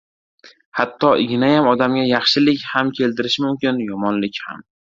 • Hatto ignayam odamga yaxshilik ham keltirishi mumkin, yomonlik ham.